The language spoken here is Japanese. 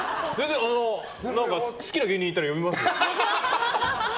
好きな芸人いたら呼びますよ。